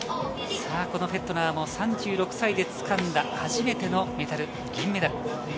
フェットナーも３６歳でつかんだ初めてのメダル、銀メダル。